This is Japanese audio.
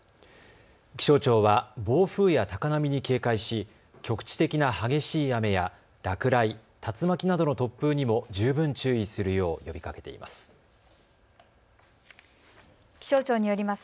気象庁は暴風や高波に警戒し局地的な激しい雨や落雷、竜巻などの突風にも十分注意するよう呼びかけています。